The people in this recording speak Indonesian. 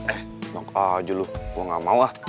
eh nongol aja lo gue gak mau ah